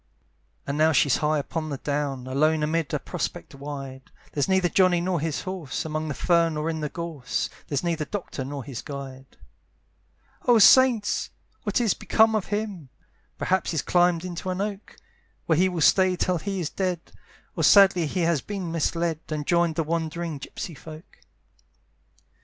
And now she's high upon the down, Alone amid a prospect wide; There's neither Johnny nor his horse, Among the fern or in the gorse; There's neither doctor nor his guide. "Oh saints! what is become of him? "Perhaps he's climbed into an oak, "Where he will stay till he is dead; "Or sadly he has been misled, "And joined the wandering gypsey folk.